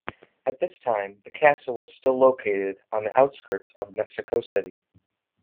At this time, the castle was still located on the outskirts of Mexico City.